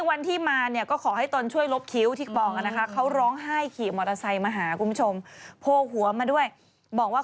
ร้องไห้ขี่มอเตอร์ไซค์และปีฐาช่วยลบคิ้วเขาอ่ะ